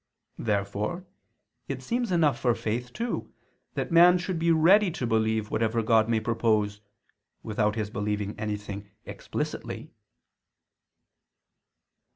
Therefore it seems enough for faith, too, that man should be ready to believe whatever God may propose, without his believing anything explicitly.